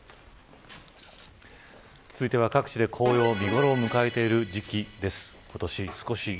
続いては、各地で紅葉見頃を迎えている時期です。